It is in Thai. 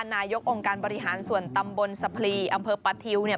นายกองค์การบริหารส่วนตำบลสะพลีอำเภอปะทิวเนี่ย